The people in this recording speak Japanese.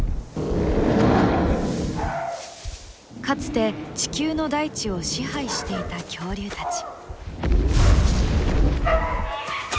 かつて地球の大地を支配していた恐竜たち。